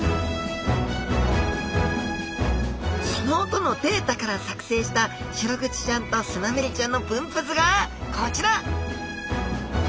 その音のデータから作成したシログチちゃんとスナメリちゃんの分布図がこちら！